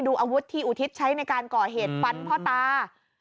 อาวุธที่อุทิศใช้ในการก่อเหตุฟันพ่อตา